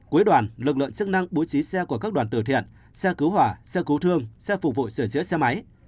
cuối đoàn lực lượng chức năng bố trí xe của các đoàn từ thiện xe cứu hỏa xe cứu thương xe phục vụ sửa chữa xe máy